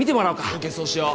ＯＫそうしよう！